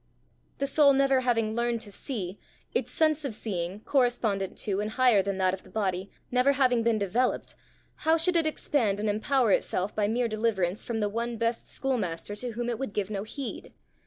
The soul never having learned to see, its sense of seeing, correspondent to and higher than that of the body, never having been developed, how should it expand and impower itself by mere deliverance from the one best schoolmaster to whom it would give no heed?